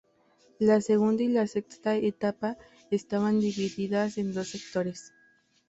La segunda y la sexta etapa estaban divididas en dos sectores.